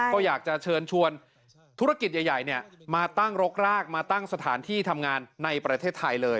ก็อยากจะเชิญชวนธุรกิจใหญ่มาตั้งรกรากมาตั้งสถานที่ทำงานในประเทศไทยเลย